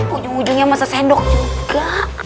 ujung ujungnya sama sesendok juga